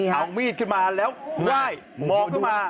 เอามีดขึ้นมาแล้วง่ายมองขึ้นมา